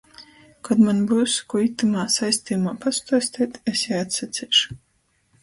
Kod maņ byus kū itymā saistejumā pastuosteit, es jai atsaceišu.